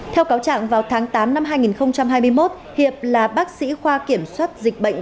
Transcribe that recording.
theo cáo trạng vào tháng tám năm hai nghìn hai mươi một hiệp là bác sĩ khoa kiểm soát dịch bệnh